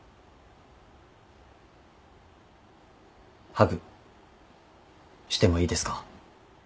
ハグしてもいいですか？